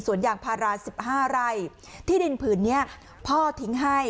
ยางพาราสิบห้าไร่ที่ดินผืนนี้พ่อทิ้งให้